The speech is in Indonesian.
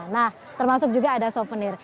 nah termasuk juga ada souvenir